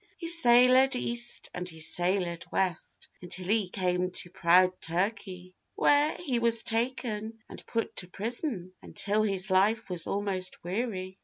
He sailèd east, and he sailèd west, Until he came to proud Turkèy; Where he was taken, and put to prison, Until his life was almost weary.